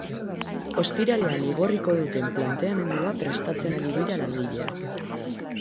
Ostiralean igorriko duten planteamendua prestatzen ari dira langileak.